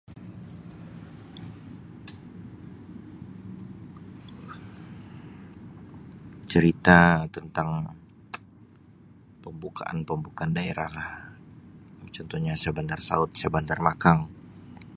Cerita tentang pembukaan-pembukaan daerah kah, contohnya Syahbandar, [unintelligible] Syahbandar Lakang